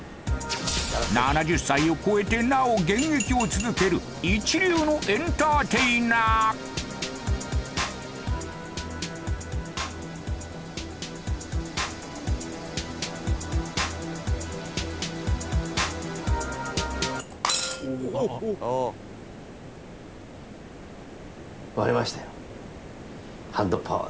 ７０歳を超えてなお現役を続ける一流のエンターテイナー割れましたよ。